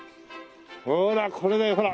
ほーらこれだよほら。